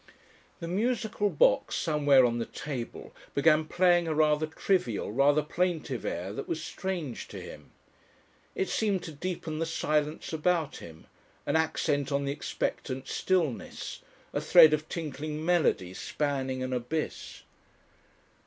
The musical box somewhere on the table began playing a rather trivial, rather plaintive air that was strange to him. It seemed to deepen the silence about him, an accent on the expectant stillness, a thread of tinkling melody spanning an abyss.